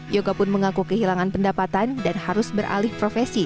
yoga pun mengaku kehilangan pendapatan dan harus beralih profesi